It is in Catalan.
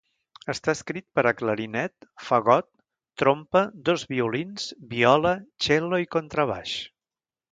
Està escrit per a clarinet, fagot, trompa, dos violins, viola, cel·lo, i contrabaix.